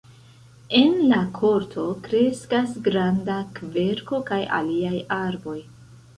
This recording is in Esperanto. En la korto kreskas granda kverko kaj aliaj arboj.